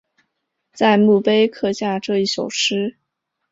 在墓碑刻下这一首诗